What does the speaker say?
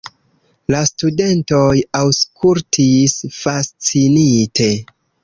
La studentoj aŭskultis fascinite.